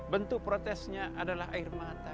bentuk protesnya adalah air mata